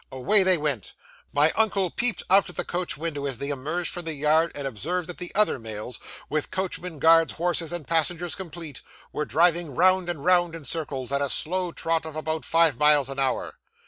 Away they went. My uncle peeped out of the coach window as they emerged from the yard, and observed that the other mails, with coachmen, guards, horses, and passengers, complete, were driving round and round in circles, at a slow trot of about five miles an hour.